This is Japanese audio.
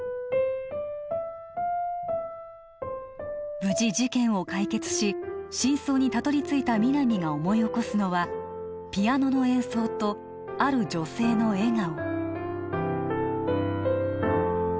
無事事件を解決し真相にたどり着いた皆実が思い起こすのはピアノの演奏とある女性の笑顔